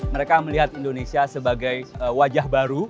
mereka melihat indonesia sebagai wajah baru